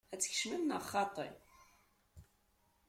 Ad tkecmem neɣ xaṭi?